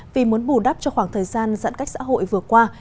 vì muốn bù đắp cho khoảng thời gian giãn cách xã hội vừa qua